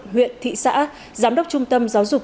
huyện thị xã giám đốc trung tâm giáo dục